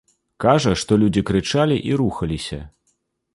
Кажа, што людзі крычалі і рухаліся.